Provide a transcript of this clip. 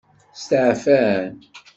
Steɛfan.